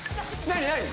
何？